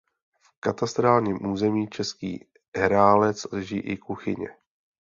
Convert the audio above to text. V katastrálním území Český Herálec leží i Kuchyně.